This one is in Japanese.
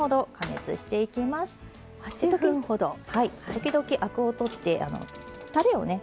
時々アクを取ってたれをね